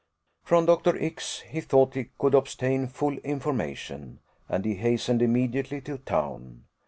From Dr. X he thought he could obtain full information, and he hastened immediately to town.